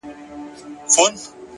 قوي اراده ستړې لارې اسانه کوي.